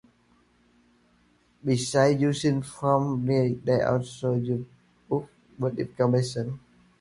Besides using formaldehyde, they also used borax, but not in combination.